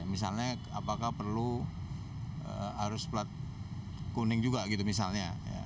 misalnya apakah perlu harus plat kuning juga gitu misalnya